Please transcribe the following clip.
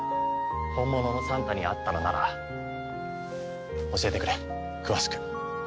本物のサンタに会ったのなら教えてくれ詳しく。